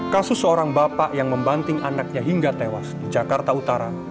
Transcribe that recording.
kasus seorang bapak yang membanting anaknya hingga tewas di jakarta utara